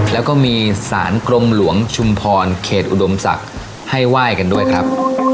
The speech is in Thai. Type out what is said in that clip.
แล้วก็มีสารกรมหลวงชุมพรเขตอุดมศักดิ์ให้ไหว้กันด้วยครับ